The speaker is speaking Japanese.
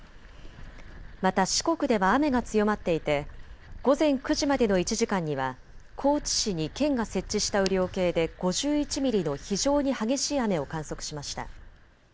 また四国では雨が強まっていて午前９時までの１時間には高知市に県が設置した雨量計で５１ミリの非常に激しい雨を観測しました。